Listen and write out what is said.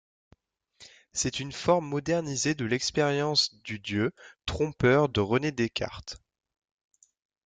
C'est une forme modernisée de l'expérience du Dieu trompeur de René Descartes.